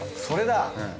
それだ。